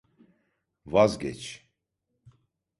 Vazgeç…